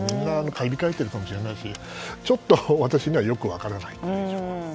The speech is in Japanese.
買い控えてるかもしれないしちょっと私にはよく分からない。